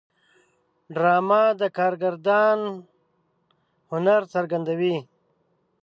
ډرامه د کارگردان هنر څرګندوي